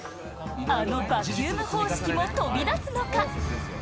あのバキューム方式も飛び出すのか？